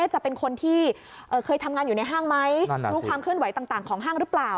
จะเป็นคนที่เคยทำงานอยู่ในห้างไหมรู้ความเคลื่อนไหวต่างของห้างหรือเปล่า